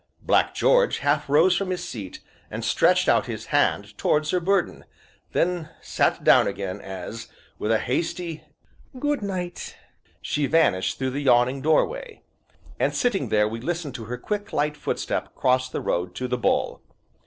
Black George half rose from his seat, and stretched out his hand towards her burden, then sat down again as, with a hasty "Good night," she vanished through the yawning doorway. And, sitting there, we listened to her quick, light footstep cross the road to "The Bull."